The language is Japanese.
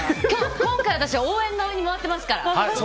今回は私、応援側に回ってますから。